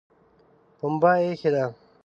پمبه ایښې ده